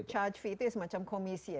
charge fee itu semacam komisi ya